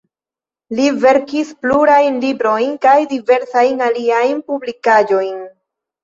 Li verkis plurajn librojn kaj diversajn aliajn publikaĵojn.